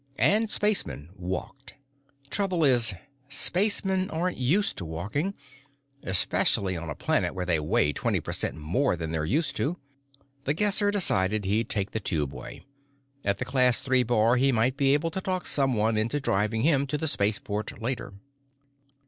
And spacemen walked. Trouble is, spacemen aren't used to walking, especially on a planet where they weigh twenty per cent more than they're used to. The Guesser decided he'd take the tubeway; at the Class Three bar, he might be able to talk someone into driving him to the spaceport later.